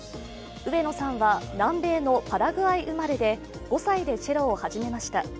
上野さんは、南米のパラグアイ生まれで５歳でチェロを始めました。